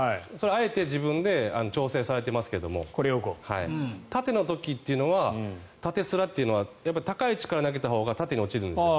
あえて自分で調整されていますけど縦の時というのは、縦スラは高い位置から投げたほうが縦に落ちるんですよ。